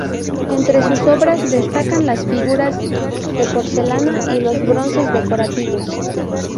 Entre sus obras destacan las figuras de porcelana y los bronces decorativos.